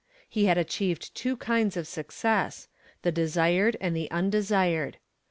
He had achieved two kinds of success the desired and the undesired.